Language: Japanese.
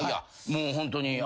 もうホントに。